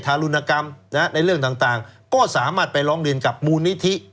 รุณกรรมในเรื่องต่างก็สามารถไปร้องเรียนกับมูลนิธิ